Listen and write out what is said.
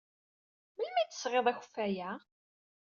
Melmi ay d-tesɣid akeffay-a?